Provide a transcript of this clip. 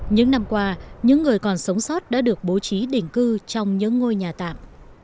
những năm qua những người còn sống sót đã được bố trí đỉnh cư trong những ngôi nhà tạm